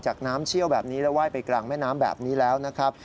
น้ำเชี่ยวแบบนี้แล้วไห้ไปกลางแม่น้ำแบบนี้แล้วนะครับ